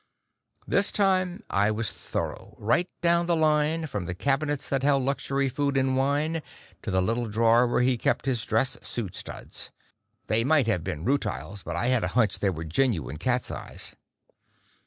This time I was thorough, right down the line, from the cabinets that held luxury food and wine to the little drawer where he kept his dress suit studs; they might have been rutiles, but I had a hunch they were genuine catseyes.